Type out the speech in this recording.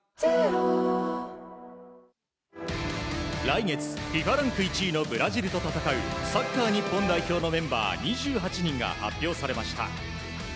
来月、ＦＩＦＡランク１位のブラジルと戦うサッカー日本代表のメンバー２８人が発表されました。